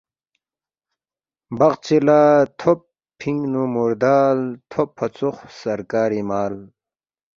بقچی لا تھوب فینگنو ،مُردال تھوب فہ ژوخ سرکاری مال